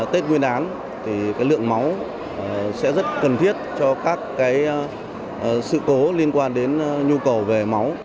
tết nguyên đán lượng máu sẽ rất cần thiết cho các sự cố liên quan đến nhu cầu về máu